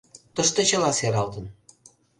Тыште чыла сералтын.